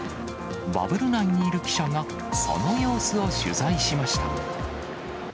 バブル内にいる記者がその様子を取材しました。